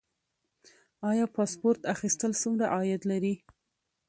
آیا پاسپورت اخیستل څومره عاید لري؟